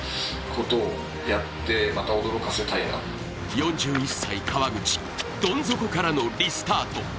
４１歳、川口どん底からのリスタート。